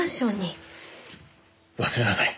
忘れなさい。